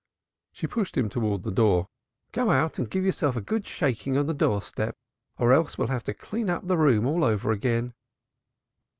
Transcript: She pushed him towards the door. "Go out and give yourself a good shaking on the door step, or else we shall have to clean out the room all over again."